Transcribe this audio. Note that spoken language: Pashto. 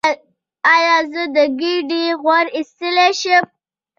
ایا زه د ګیډې غوړ ایستلی شم؟